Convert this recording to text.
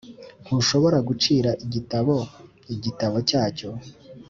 ntushobora gucira igitabo igitabo cyacyo